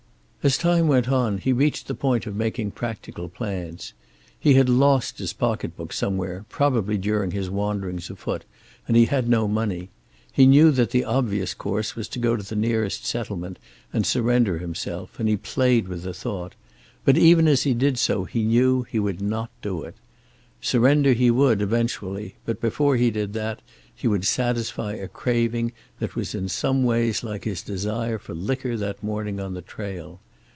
As time went on he reached the point of making practical plans. He had lost his pocketbook somewhere, probably during his wanderings afoot, and he had no money. He knew that the obvious course was to go to the nearest settlement and surrender himself and he played with the thought, but even as he did so he knew that he would not do it. Surrender he would, eventually, but before he did that he would satisfy a craving that was in some ways like his desire for liquor that morning on the trail.